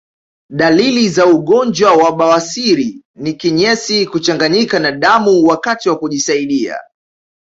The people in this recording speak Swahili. Dalili za ugonjwa wa bawasiri ni Kinyesi kuchanganyika na damu wakati wa kujisaidia